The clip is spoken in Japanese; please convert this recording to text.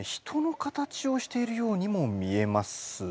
人の形をしているようにも見えます。